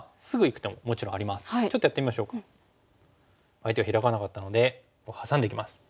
相手がヒラかなかったのでハサんでいきます。